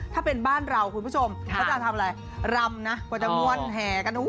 ถ้าเป็นบ้านเราคุณผู้ชมเขาจะทำอะไรรำนะกว่าจะมวลแห่กัน